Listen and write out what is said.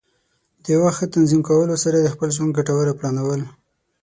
د وخت ښه تنظیم کولو سره د خپل ژوند ګټوره پلانول.